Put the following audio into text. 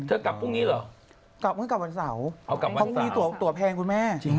เอากลับวันเสาร์เพราะมีตัวแพงคุณแม่